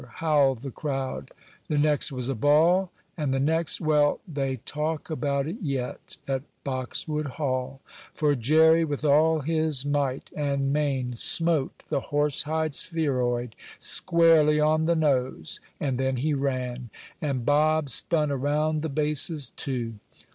howled the crowd. The next was a ball, and the next well, they talk about it yet at Boxwood Hall. For Jerry with all his might and main smote the horsehide spheroid squarely on the "nose" and then he ran. And Bob spun around the bases too.